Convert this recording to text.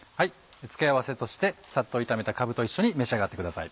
付け合わせとしてサッと炒めたかぶと一緒に召し上がってください。